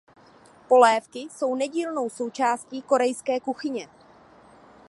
Polévky jsou nedílnou součástí korejské kuchyně.